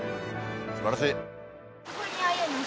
素晴らしい。